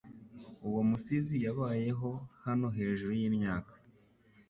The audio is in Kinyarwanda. Uwo musizi yabayeho hano hejuru yimyaka